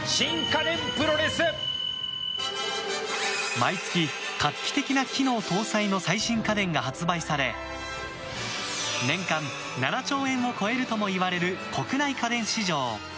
毎月、画期的な機能搭載の最新家電が発売され年間７兆円を超えるともいわれる国内家電市場。